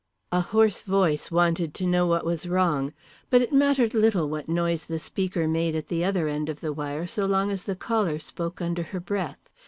A hoarse voice wanted to know what was wrong. But it mattered little what noise the speaker made at the other end of the wire so long as the caller spoke under her breath.